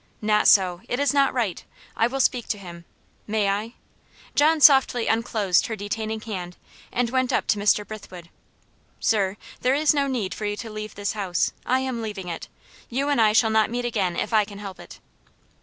"Not so it is not right. I will speak to him. May I?" John softly unclosed her detaining hand, and went up to Mr. Brithwood. "Sir, there is no need for you to leave this house I am leaving it. You and I shall not meet again if I can help it."